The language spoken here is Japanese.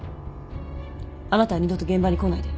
あなたは二度と現場に来ないで。